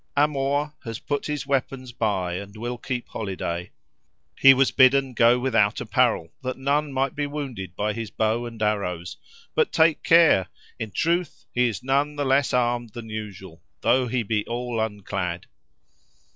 —"Amor has put his weapons by and will keep holiday. He was bidden go without apparel, that none might be wounded by his bow and arrows. But take care! In truth he is none the less armed than usual, though he be all unclad."